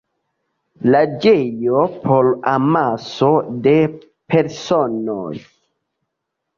Loĝejo por amaso de personoj.